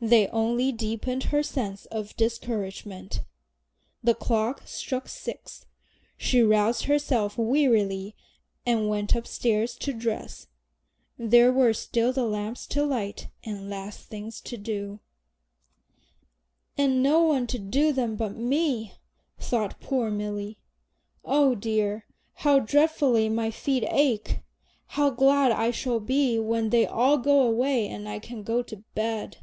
They only deepened her sense of discouragement. The clock struck six; she roused herself wearily and went upstairs to dress. There were still the lamps to light and last things to do. "And no one to do them but me," thought poor Milly. "Oh dear, how dreadfully my feet ache! How glad I shall be when they all go away and I can go to bed!"